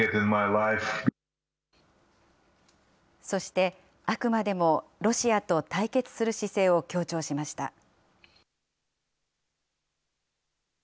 そして、あくまでもロシアと対決する姿勢を強調しました。